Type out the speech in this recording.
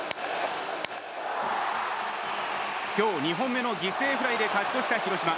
今日２本目の犠牲フライで勝ち越した広島。